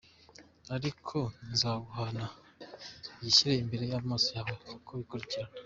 Ariko nzaguhana mbishyire imbere y’amaso yawe, Uko bikurikiran